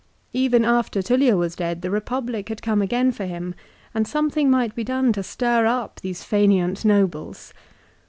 Even after Tullia was dead the Eepublic had come again for him, and something might be done to stir up these faineant nobles